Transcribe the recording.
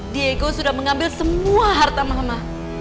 diego sudah mengambil semua harta mahma